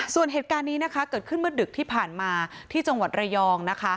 ส่วนเหตุการณ์นี้นะคะเกิดขึ้นเมื่อดึกที่ผ่านมาที่จังหวัดระยองนะคะ